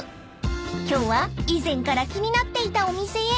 ［今日は以前から気になっていたお店へ］